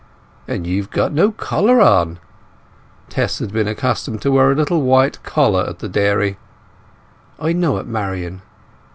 "And you've got no collar on" (Tess had been accustomed to wear a little white collar at the dairy). "I know it, Marian."